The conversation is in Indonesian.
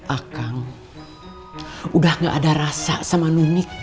akang udah gak ada rasa sama nunik